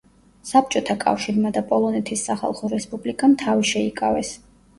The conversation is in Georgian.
საბჭოთა კავშირმა და პოლონეთის სახალხო რესპუბლიკამ თავი შეიკავეს.